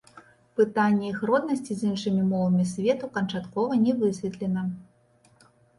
Пытанне іх роднасці з іншымі мовамі свету канчаткова не высветлена.